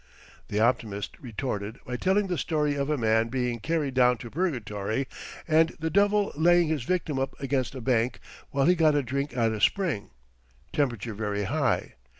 The optimist retorted by telling the story of a man being carried down to purgatory and the Devil laying his victim up against a bank while he got a drink at a spring temperature very high.